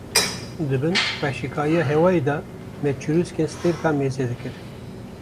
di bin xweşikahiya hêwayê de me çirûskên stêrkan meze dikir